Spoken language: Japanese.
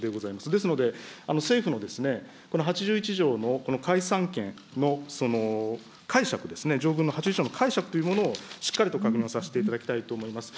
ですので、政府のこの８１条のこの解散権の解釈ですね、条文の８１条の解釈というものを、しっかりと確認をさせていただきたいと思います。